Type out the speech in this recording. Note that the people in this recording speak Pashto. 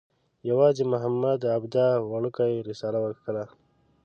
یوازې محمد عبده وړکۍ رساله وکښله.